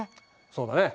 そうだね。